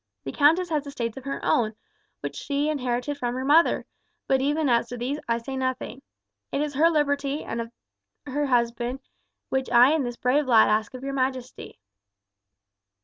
The countess has estates of her own, which she inherited from her mother, but even as to these I say nothing. It is her liberty and that of her husband which I and this brave lad ask of your majesty."